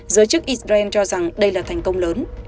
giới chức israel cho rằng đây là thành công lớn